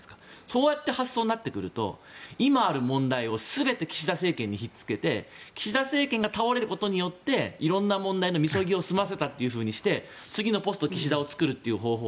そういう発想になってくると今ある問題を全て岸田政権にひっつけて岸田政権が倒れることで色んな問題のみそぎを済ませたというふうにして次のポスト岸田を作るという方法。